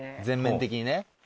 全面的にね。